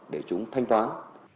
để chúng thanh toán